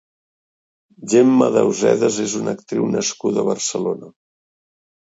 Gemma Deusedas és una actriu nascuda a Barcelona.